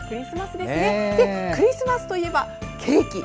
で、クリスマスといえばケーキ！